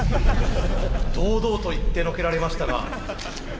堂々と言ってのけられましたが。